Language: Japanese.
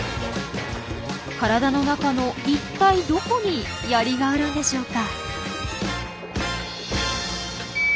体の中の一体どこにヤリがあるんでしょうか？